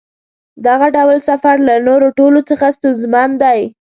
دغه ډول سفر له نورو ټولو څخه ستونزمن دی.